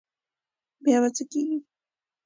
بیا به څه کېږي.